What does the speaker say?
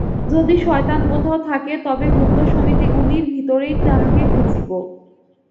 যদি শয়তান কোথাও থাকে, তবে গুপ্তসমিতিগুলির ভিতরেই তাহাকে খুঁজিব।